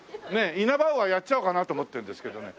イナバウアーやっちゃおうかなって思ってるんですけどね。